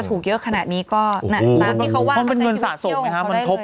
ถูกเยอะขนาดนี้ก็ตอนที่เขาว่าเขาเป็นเงินสะสกมั้ยครับมันทบ